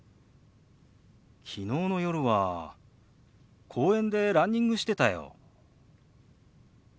昨日の夜は公園でランニングしてたよ。